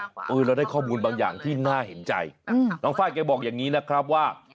เราได้ข้อมูลบางอย่างที่น่าเห็นใจน้องไฟล์แกบอกอย่างนี้นะครับว่า